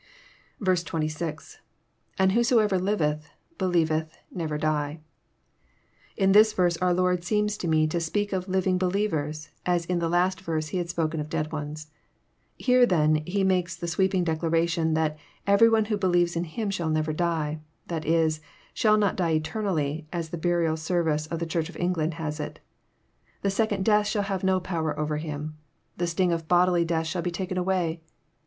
86. — lAnd whosoeffer liveth.„helier>eth...nef>er dieJ] In this verse our Lord seems to me to speak of living believers, as in the last verse He had spoken of dead ones. Hei e, then. He makes the sweeping declaration, that <* every one who believes in Him shall never die :" that is, he '' shall not die eternally," as the Burial Service of the Church of England has it. The second death shall have no power over him. The sting of bodily death shall be taken away.